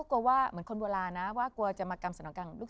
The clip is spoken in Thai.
เขาคือคนเจ้าชู้